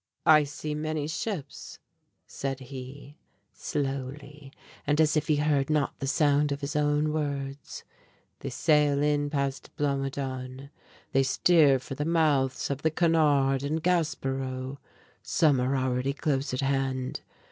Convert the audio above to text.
"I see many ships," said he, slowly, and as if he heard not the sound of his own words. "They sail in past Blomidon. They steer for the mouths of the Canard and Gaspereau. Some are already close at hand.